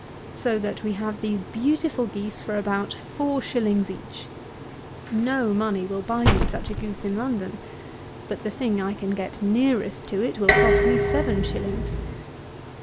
So that we have these beautiful geese for about four shillings each. No money will buy me such a goose in London; but the thing that I can get nearest to it, will cost me seven shillings.